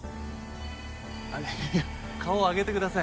いやいや顔を上げてください。